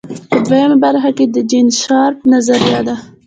په دویمه برخه کې د جین شارپ نظریه ده.